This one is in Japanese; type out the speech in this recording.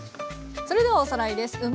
それではおさらいです。